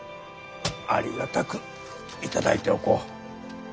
ありがたく頂いておこう。